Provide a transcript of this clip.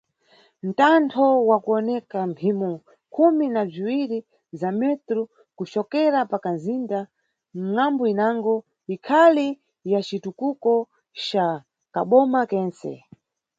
Mthanto wa kuwoneka mphimo khumi na bziwiri za metru kucokera pa kamzinda, ngʼambu inango, ikhali ya citutuko ca kaboma kentse.